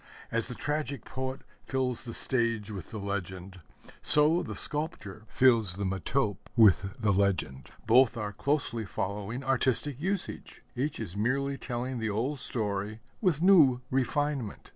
As the tragic poet fills the stage with the legend, so the sculptor fills the metope with the legend. Both are closely following artistic usage: each is merely telling the old story with new refinement.